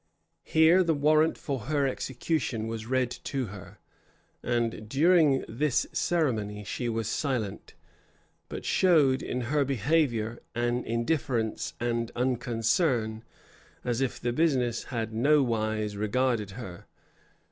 Here the warrant for her execution was read to her; and during this ceremony she was silent, but showed, in her behavior, an indifference and unconcern, as if the business had nowise regarded her.